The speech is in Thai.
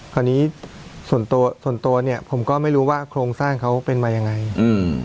ส่วนตัวส่วนตัวเนี้ยผมก็ไม่รู้ว่าโครงสร้างเขาเป็นมายังไงอืม